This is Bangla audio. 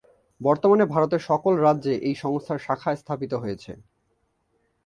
বর্তমানে ভারতের সকল রাজ্যে এই সংস্থার শাখা স্থাপিত হয়েছে।